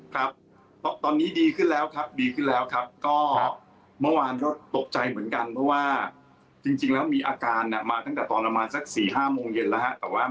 ครับตอนนี้ดีขึ้นแล้วครับดีขึ้นแล้วครับก็เมื่อวานก็ตกใจเหมือนกันเพราะว่าจริงแล้วมีอาการมาตั้งแต่ตอนประมาณสัก๔๕โมงเย็นแล้วฮะ